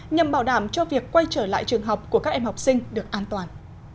nhằm bảo đảm cho việc quay trở lại trường học của các em học sinh được an toàn